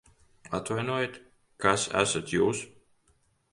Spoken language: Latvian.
Atvainojiet, kas esat jūs?